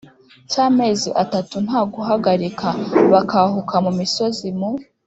cy'amezi atatu nta guhagarika bakahuka mu misozi, mu